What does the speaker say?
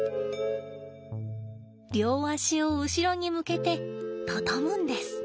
両足を後ろに向けて畳むんです。